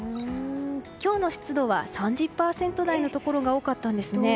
今日の湿度は３０％台のところが多かったんですね。